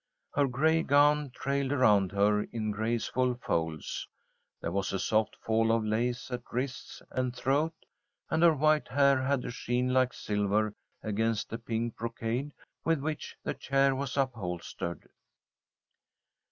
Her gray gown trailed around her in graceful folds. There was a soft fall of lace at wrists and throat, and her white hair had a sheen like silver against the pink brocade with which the chair was upholstered.